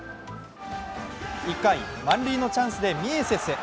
１回、満塁のチャンスでミエセス。